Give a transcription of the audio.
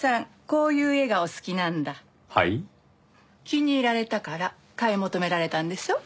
気に入られたから買い求められたんでしょ？